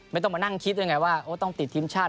ไม่ต้องมานั่งคิดยังไงว่าต้องติดทีมชาติ